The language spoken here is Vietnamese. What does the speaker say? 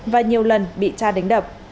và nhiều lần bị cha đánh đập